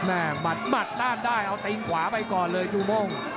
แม่มัดมัดต้านได้เอาตีงขวาไปก่อนเลยจูบง